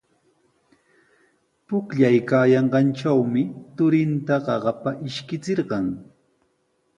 Pukllaykaayanqantrawmi turinta qaqapa ishkichirqan.